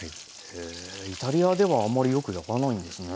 へえイタリアではあんまりよく焼かないんですね。